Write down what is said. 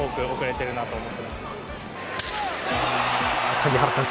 谷原さん